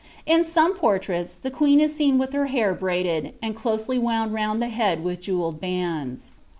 In some portfuiSi th* queen is seen with her hair braided, and cloeely wound round the bid with jewelled bands.